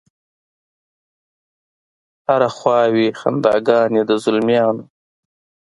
هره خوا وي خنداګانې د زلمیانو